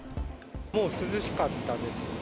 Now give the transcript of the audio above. もう涼しかったですね。